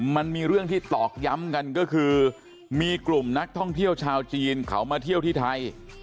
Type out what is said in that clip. มันมีเรื่องที่ตอกย้ำกันก็คือมีกลุ่มนักท่องเที่ยวชาวจีนเขามาเที่ยวที่ไทย